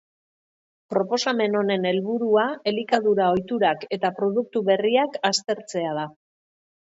Proposamen honen helburua elikadura ohiturak eta produktu berriak aztertzea da.